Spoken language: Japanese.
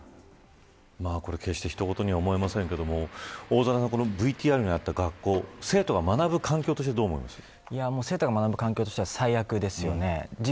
決してひとごとには思えませんが、大空さんこのＶＴＲにあった学校生徒が学ぶ環境として生徒が学ぶ環境としては最悪ですよね。